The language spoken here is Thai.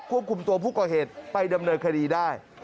คุมตัวผู้ก่อเหตุไปดำเนินคดีได้